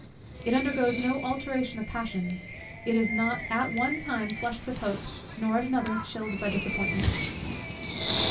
It undergoes no alternation of passions; it is not at one time flushed with hope, nor at another chilled by disappointment.